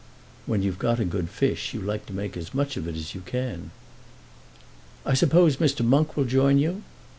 "When you've got a good fish you like to make as much of it as you can." "I suppose Mr. Monk will join you."